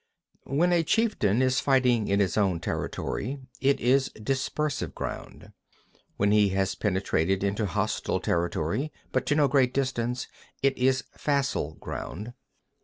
2. When a chieftain is fighting in his own territory, it is dispersive ground. 3. When he has penetrated into hostile territory, but to no great distance, it is facile ground.